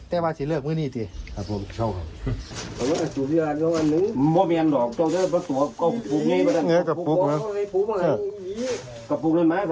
แต่ว่าจะเลิกเมื่อนี้ดิครับผมชอบครับ